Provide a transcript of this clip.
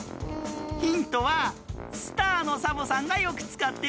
ヒントはスターのサボさんがよくつかってるよ。